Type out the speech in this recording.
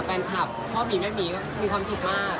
แฟนคลับพ่อหมีแม่หมีก็มีความสุขมาก